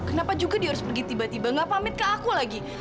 kenapa juga dia harus pergi tiba tiba gak pamit ke aku lagi